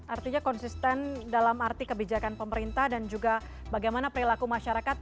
artinya konsisten dalam arti kebijakan pemerintah dan juga bagaimana perilaku masyarakat